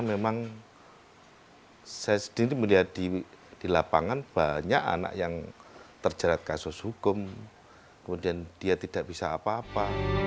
memang saya sendiri melihat di lapangan banyak anak yang terjerat kasus hukum kemudian dia tidak bisa apa apa